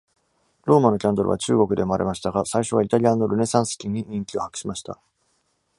ローマのキャンドルは中国で生まれましたが、最初はイタリアのルネサンス期に人気を博しました。